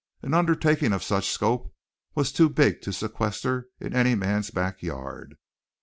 An undertaking of such scope was too big to sequester in any man's back yard.